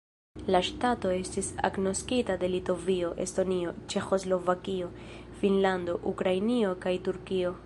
La ŝtato estis agnoskita de Litovio, Estonio, Ĉeĥoslovakio, Finnlando, Ukrainio kaj Turkio.